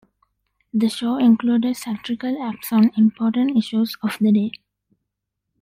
The show included satirical acts on important issues of the day.